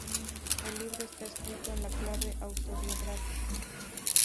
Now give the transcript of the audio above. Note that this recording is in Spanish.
El libro está escrito en clave autobiográfica.